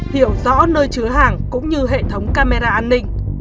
hiểu rõ nơi chứa hàng cũng như hệ thống camera an ninh